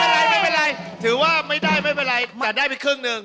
อะไรไม่เป็นไรถือว่าไม่ได้ไม่เป็นไรแต่ได้ไปครึ่งหนึ่ง